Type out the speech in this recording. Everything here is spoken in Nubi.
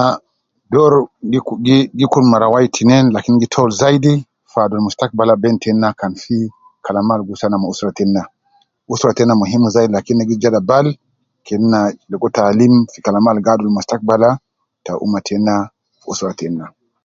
Ah ,doru gi kun gi kun mara wai tinein lakin gi tolu zaidi fi adul mustakbala bein tena kan fi kalama al husana ma usra tena, usra tena muhim zaidi lakin ne gi jada bal kena ligo taalim fi kalama al gi adul mustakbala ta ummah tena fi usra tena.